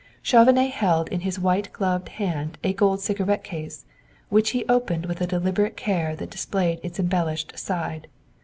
Chauvenet held in his white gloved hand a gold cigarette case, which he opened with a deliberate care that displayed its embellished side.